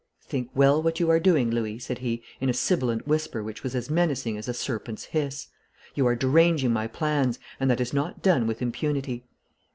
'Think well what you are doing, Louis,' said he, in a sibilant whisper which was as menacing as a serpent's hiss. 'You are deranging my plans, and that is not done with impunity.'